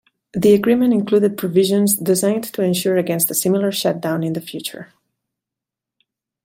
The agreement included provisions designed to ensure against a similar shutdown in the future.